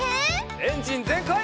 エンジンぜんかい！